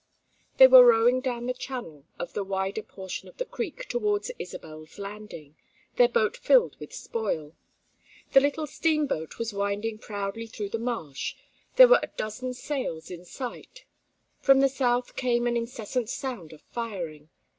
They were rowing down the channel of the wider portion of the creek towards Isabel's landing, their boat filled with spoil. The little steamboat was winding proudly through the marsh, there were a dozen sails in sight; from the south came an incessant sound of firing.